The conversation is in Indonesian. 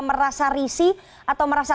merasa risih atau merasa